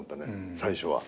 最初は。